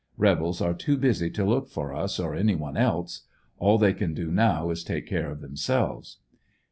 Rebels are too busy to look for us or any one else. All they can do now to take care of themselves.